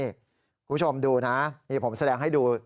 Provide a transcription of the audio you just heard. คุณผู้ชมดูนะนี่ผมแสดงให้ดู